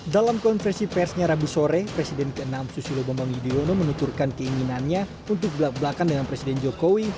dalam konversi persnya rabu sore presiden ke enam susilo bambang yudhoyono menuturkan keinginannya untuk belak belakan dengan presiden jokowi